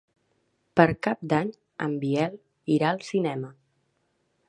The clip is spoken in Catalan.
Per Cap d'Any en Biel irà al cinema.